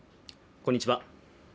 こんにちは